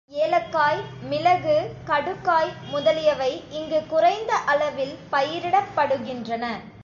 ஏலக்காய், மிளகு, கடுக்காய் முதலியவை இங்கு குறைந்த அளவில் பயிரிடப்படுகின்றன.